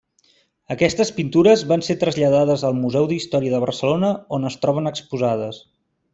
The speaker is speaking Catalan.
Aquestes pintures van ser traslladades al Museu d'Història de Barcelona on es troben exposades.